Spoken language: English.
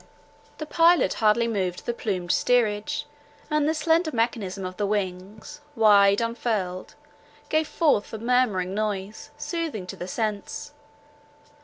The pilot hardly moved the plumed steerage, and the slender mechanism of the wings, wide unfurled, gave forth a murmuring noise, soothing to the sense.